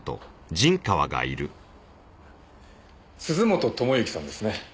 鈴本友之さんですね？